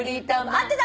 合ってた！